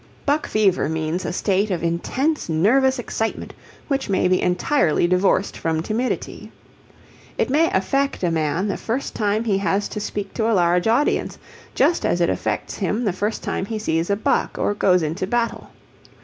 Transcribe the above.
Buck fever means a state of intense nervous excitement which may be entirely divorced from timidity. It may affect a man the first time he has to speak to a large audience just as it affects him the first time he sees a buck or goes into battle.